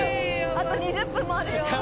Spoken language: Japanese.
あと２０分もあるよ